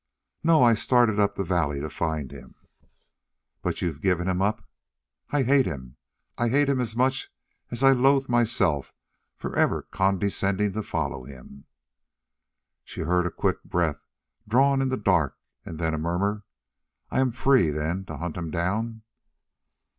"No. I started up the valley to find him." "But you've given him up?" "I hate him I hate him as much as I loathe myself for ever condescending to follow him." She heard a quick breath drawn in the dark, and then a murmur: "I am free, then, to hunt him down!"